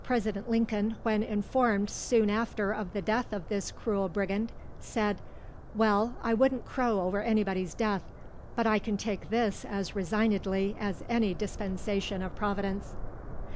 President Lincoln, when informed soon after of the death of this cruel brigand, said, "Well, I wouldn't crow over anybody's death, but I can take this as resignedly as any dispensation of Providence."